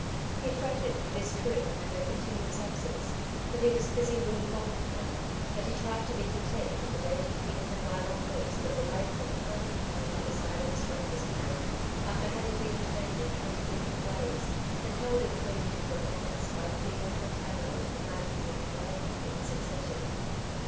He fretted, it is true, at her continuous absence, but he was busy winning gold for her, and he tried to be content with the dainty pink and lilac notes that were laid from time to time by the side of his breakfast plate, after having been turned in twenty different ways, and held in twenty dif ferent lights by Thea, and Adelaide, and Marguerite Delany in succession.